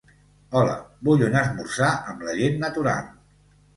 Hola, vull un esmorzar, amb la llet natural.